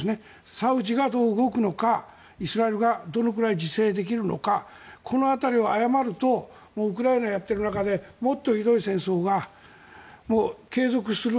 サウジがどう動くのかイスラエルがどのぐらい自制できるのかこの辺りを誤るとウクライナやっていく中でもっとひどい戦争が継続する。